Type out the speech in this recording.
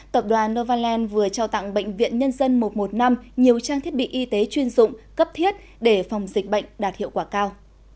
tập đoàn novaland vừa trao tặng bệnh viện nhân dân một trăm một mươi năm nhiều trang thiết bị y tế chuyên dụng cấp thiết để phòng dịch bệnh đạt hiệu quả cao